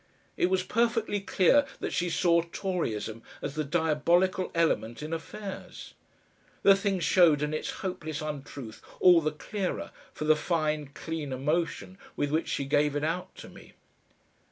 It was perfectly clear that she saw Toryism as the diabolical element in affairs. The thing showed in its hopeless untruth all the clearer for the fine, clean emotion with which she gave it out to me.